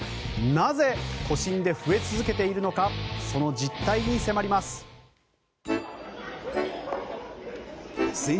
なぜ都心で増え続けているのかその実態に迫ります。